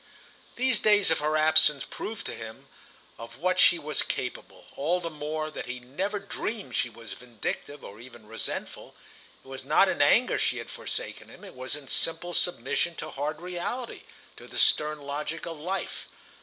These days of her absence proved to him of what she was capable; all the more that he never dreamed she was vindictive or even resentful. It was not in anger she had forsaken him; it was in simple submission to hard reality, to the stern logic of life.